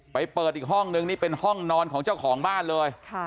เปิดอีกห้องนึงนี่เป็นห้องนอนของเจ้าของบ้านเลย